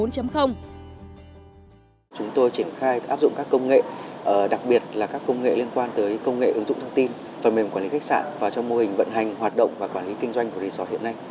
chúng tôi triển khai áp dụng các công nghệ đặc biệt là các công nghệ liên quan tới công nghệ ứng dụng thông tin phần mềm quản lý khách sạn và trong mô hình vận hành hoạt động và quản lý kinh doanh của resort hiện nay